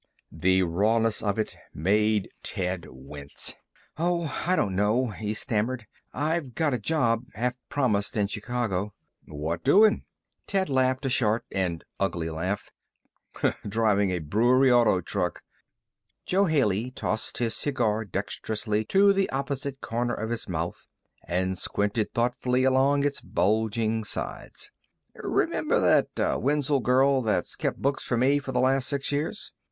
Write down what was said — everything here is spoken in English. The rawness of it made Ted wince. "Oh, I don't know," he stammered. "I've a job half promised in Chicago." "What doing?" Ted laughed a short and ugly laugh. "Driving a brewery auto truck." Jo Haley tossed his cigar dexterously to the opposite corner of his mouth and squinted thoughtfully along its bulging sides. "Remember that Wenzel girl that's kept books for me for the last six years?